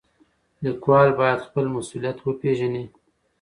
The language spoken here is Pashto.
لیکوال باید خپل مسولیت وپېژني.